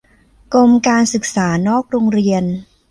กรมการศึกษานอกโรงเรียน